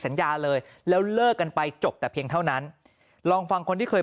สัญญาเลยแล้วเลิกกันไปจบแต่เพียงเท่านั้นลองฟังคนที่เคย